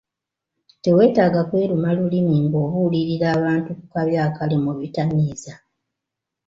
Teweetaaga kweruma lulimi ng'obuulirira abantu ku kabi akali mu bitamiiza.